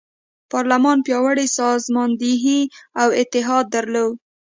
پارلمان پیاوړې سازماندهي او اتحاد درلود.